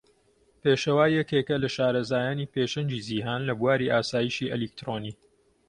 پێشەوا یەکێکە لە شارەزایانی پێشەنگی جیهان لە بواری ئاسایشی ئەلیکترۆنی.